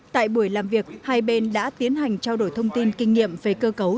tại buổi làm việc hai bên đã tiến hành trao đổi thông tin kinh nghiệm về cơ cấu